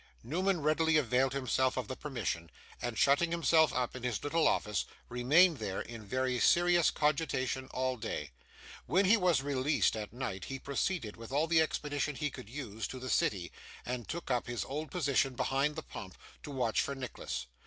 Newman readily availed himself of the permission, and, shutting himself up in his little office, remained there, in very serious cogitation, all day. When he was released at night, he proceeded, with all the expedition he could use, to the city, and took up his old position behind the pump, to watch for Nicholas.